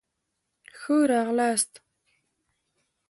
ښه را غلاست